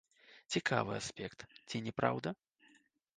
Цікавы аспект, ці не праўда?